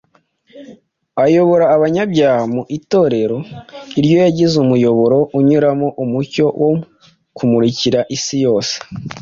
Ayobora abanyabyaha mu Itorero iryo yagize umuyoboro unyuramo umucyo wo kumurikira isi yose.